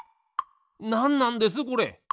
なんなんですこれ？